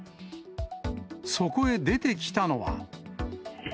そこへ出てきたのは。